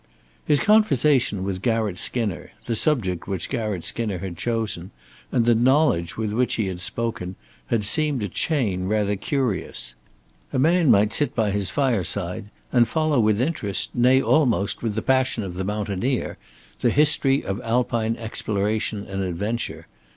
His conversation with Garratt Skinner, the subject which Garratt Skinner had chosen, and the knowledge with which he had spoken, had seemed to Chayne rather curious. A man might sit by his fireside and follow with interest, nay almost with the passion of the mountaineer, the history of Alpine exploration and adventure.